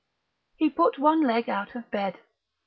He put one leg out of bed.